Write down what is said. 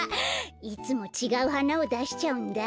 いつもちがうはなをだしちゃうんだ。